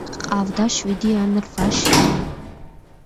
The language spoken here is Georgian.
ჰყავდა შვიდი ან რვა შვილი.